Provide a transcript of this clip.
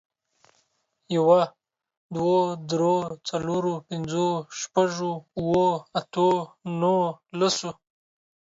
يوه، دوو، درو، څلورو، پنځو، شپږو، اوو، اتو، نهو، لسو